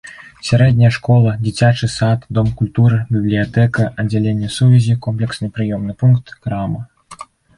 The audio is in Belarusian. Сярэдняя школа, дзіцячы сад, дом культуры, бібліятэка, аддзяленне сувязі, комплексны прыёмны пункт, крама.